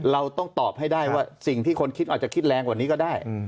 เราต้องตอบให้ได้ว่าสิ่งที่คนคิดอาจจะคิดแรงกว่านี้ก็ได้